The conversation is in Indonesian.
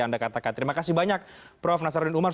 anda katakan terima kasih banyak prof nasarudin umar